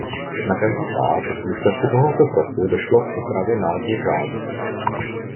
Na každý pád v důsledku tohoto kroku došlo k úpravě názvu řádu.